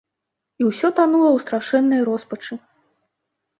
І ўсё танула ў страшэннай роспачы.